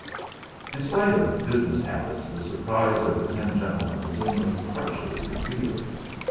In spite of business habits the surprise of the ten gentlemen was only partially concealed.